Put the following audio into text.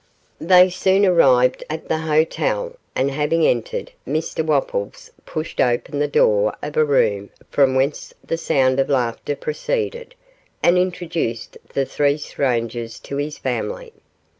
They soon arrived at the hotel, and having entered, Mr Wopples pushed open the door of a room from whence the sound of laughter proceeded, and introduced the three strangers to his family.